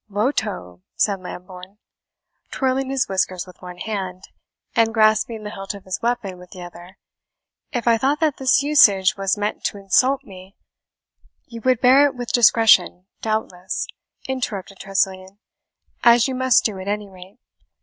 "VOTO!" said Lambourne, twirling his whiskers with one hand, and grasping the hilt of his weapon with the other; "if I thought that this usage was meant to insult me " "You would bear it with discretion, doubtless," interrupted Tressilian, "as you must do at any rate.